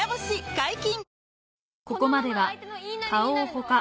解禁‼